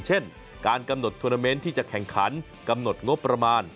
เช่นการกำหนดทวนาเมนต์ที่จะแข่งขันกำหนดงบประมาณ